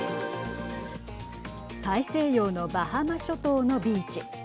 大西洋のバハマ諸島のビーチ。